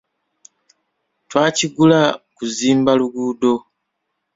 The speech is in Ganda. Twakigula kuzimba luguudo.